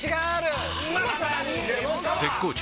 絶好調！！